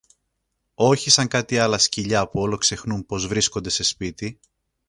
Όχι σαν κάτι άλλα σκυλιά που όλο ξεχνούν πως βρίσκονται σε σπίτι